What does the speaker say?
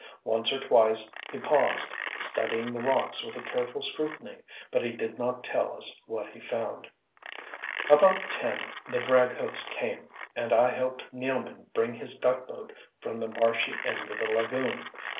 Once or twice he paused, studying the rocks with a careful scrutiny, but he did not tell us what he found. About ten the drag hooks came, and I helped Nealman bring his duckboat from the marshy end of the lagoon.